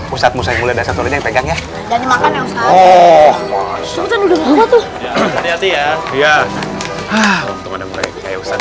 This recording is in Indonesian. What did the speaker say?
ustadz musa yang mulia dasar yang pegangnya dan dimakan ya ustadz